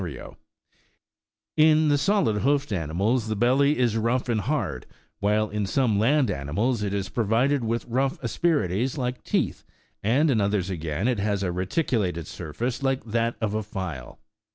89 In the solid hoofed animals the belly is rough and hard, while in some land animals it is provided with rough asperi ties like teeth,90 and in others, again, it has a reticulated sur face like that of a file.